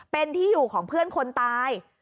เป็นที่อยู่ของเพื่อนคนตาย